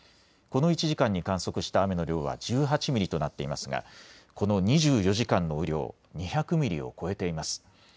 この１時間に観測した雨の量は１８ミリとなっていますがこの２４時間の雨量、２００ミリを超えています。